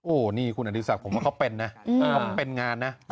โอ้โหนี่คุณอดีศักดิ์ผมว่าเขาเป็นนะเขาเป็นงานนะ